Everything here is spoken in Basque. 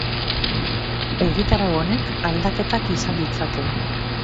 Egitarau honek aldaketak izan ditzake.